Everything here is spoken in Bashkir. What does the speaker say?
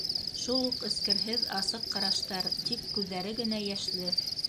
Шул уҡ эскерһеҙ асыҡ ҡараштар, тик күҙҙәре генә йәшле.